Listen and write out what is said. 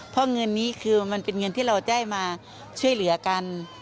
เพราะเงินนี้คือมันเป็นเงินที่เราได้มาช่วยเหลือกัน